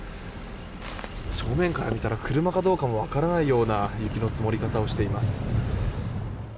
正面から見たら車かどうかも分からないような雪の積もり方をしています。